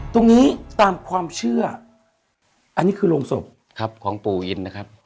ตรงนี้ตามความเชื่ออันนี้คือโรงศพครับของปู่อินนะครับ